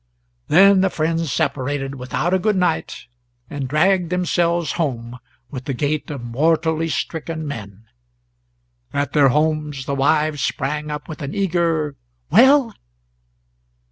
Then the friends separated without a good night, and dragged themselves home with the gait of mortally stricken men. At their homes their wives sprang up with an eager "Well?"